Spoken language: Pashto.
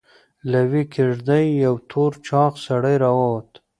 له يوې کېږدۍ يو تور چاغ سړی راووت.